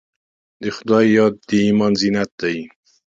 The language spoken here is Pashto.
د خدای یاد د ایمان زینت دی.